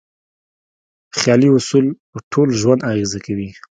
خیالي اصول په ټول ژوند اغېزه کوي.